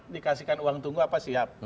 dikasihkan uang tunggu apa siap